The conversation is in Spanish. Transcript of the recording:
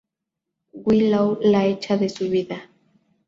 Willow la echa de su vida.